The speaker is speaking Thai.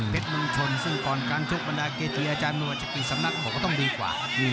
เพชรลุงชนซึ่งก่อนการชกบรรดาเกธีอาจารย์หนัวจักรีสำนักของผมก็ต้องดีกว่า